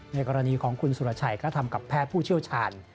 กรณีของคุณสุรชัยก็ทำกับแพทย์ผู้เชี่ยวชาญ